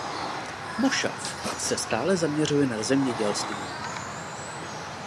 Mošav se stále zaměřuje na zemědělství.